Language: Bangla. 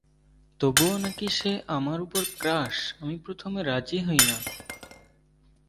তবুও নাকি সে আমার উপর ক্রাশ৷ আমি প্রথমে রাজী হইনা।